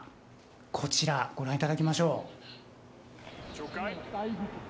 こちら、ご覧いただきましょう。